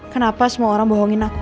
kenapa semua orang bohongin aku